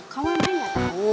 kamu emang gak tau